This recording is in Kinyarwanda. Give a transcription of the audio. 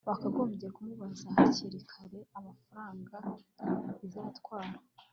Wakagombye kumubaza hakiri kare amafaranga bizatwara